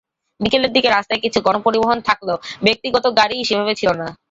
বিকেলের দিকে রাস্তায় কিছু গণপরিবহন থাকলেও ব্যক্তিগত গাড়িই সেভাবে ছিল না।